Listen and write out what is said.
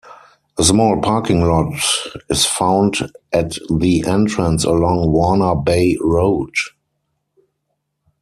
A small parking lot is found at the entrance along Warner Bay Road.